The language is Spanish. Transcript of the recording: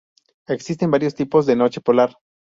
Existen varios tipos de noche polar.